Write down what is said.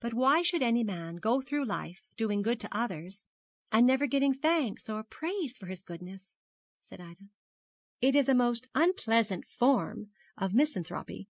'But why should any man go through life doing good to others, and never getting thanks or praise for his goodness,' said Ida. 'It is a most unpleasant form of misanthropy.